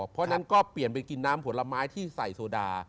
เพราะฉะนั้นก็เปลี่ยนไปกินน้ำผลไม้ที่ใส่โซดา